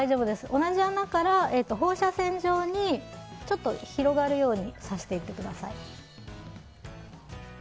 同じ穴から放射線状に広がるように刺していってください。